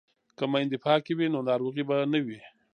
که میندې پاکې وي نو ناروغي به نه وي.